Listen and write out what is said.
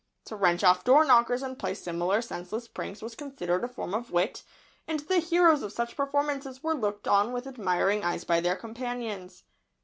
To wrench off door knockers and play similar senseless pranks was considered a form of wit, and the heroes of such performances were looked on with admiring eyes by their companions.